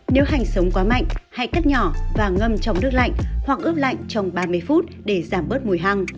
nếu hành sống quá mạnh hãy cắt nhỏ và ngâm trong nước lạnh hoặc ướp lạnh trong ba mươi phút để giảm bớt mùi hăng